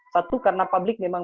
satu karena publik memang